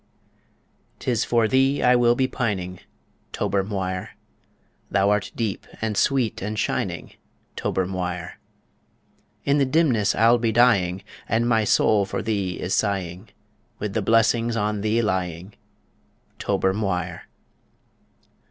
'Tis for thee I will be pining, Tober Mhuire. Thou art deep and sweet and shining, Tober Mhuire. In the dimness I'll be dying, And my soul for thee is sighing With the blessings on thee lying Tober Mhuire.